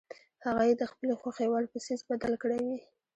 هغه یې د خپلې خوښې وړ په څیز بدل کړی وي.